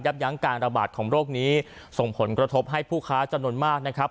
ยั้งการระบาดของโรคนี้ส่งผลกระทบให้ผู้ค้าจำนวนมากนะครับ